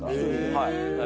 はい。